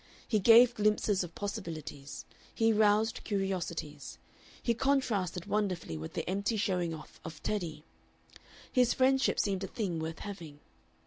He gave glimpses of possibilities. He roused curiosities. He contrasted wonderfully with the empty showing off of Teddy. His friendship seemed a thing worth having....